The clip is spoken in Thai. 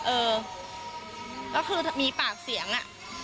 เออก็คือมีปากเสียงอะ